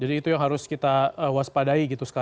jadi itu yang harus kita waspadai gitu ya